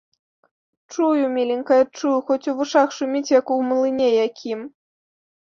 Чую, міленькая, чую, хоць у вушах шуміць, як у млыне якім.